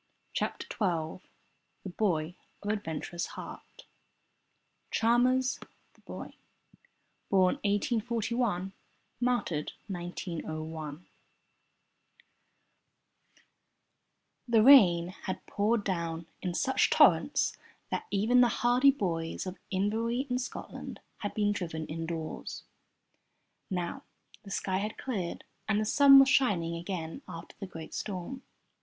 ] CHAPTER XII THE BOY OF THE ADVENTUROUS HEART Chalmers, the Boy (Born 1841, martyred 1901) The rain had poured down in such torrents that even the hardy boys of Inverary in Scotland had been driven indoors. Now the sky had cleared, and the sun was shining again after the great storm.